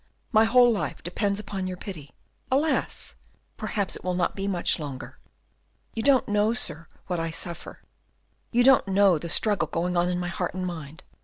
my whole life depends upon your pity. Alas! perhaps it will not be much longer. You don't know, sir, what I suffer. You don't know the struggle going on in my heart and mind.